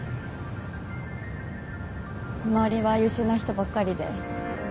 周りは優秀な人ばっかりで